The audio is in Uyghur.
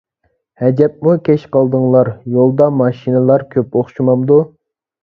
ھەجەپمۇ كەچ قالدىڭلار، يولدا ماشىنىلار كۆپ ئوخشىمامدۇ ؟